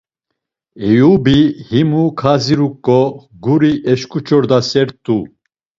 Eyubi himu kaziruǩo, guri eşǩuç̌ordasert̆u.